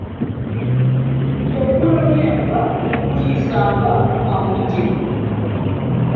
Ebbula ly'enva terikuliisanga kaamuje.